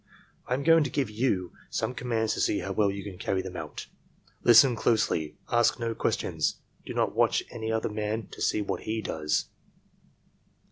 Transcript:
I am going to give you some commands to see how well you can carry them out. Listen closely. Ask no questions. Do not watch any other man to see what he does.